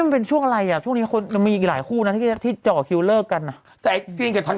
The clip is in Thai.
น้องชายกับไอ้ธันวาไอ้กรีน